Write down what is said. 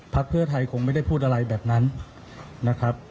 เพื่อไทยคงไม่ได้พูดอะไรแบบนั้นนะครับ